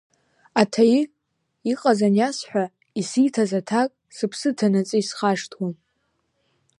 Аҭаи, иҟаз аниасҳәа исиҭаз аҭак сыԥсы ҭанаҵы исхашҭуам.